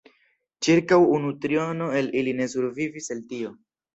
Ĉirkaŭ unu triono el ili ne survivis el tio.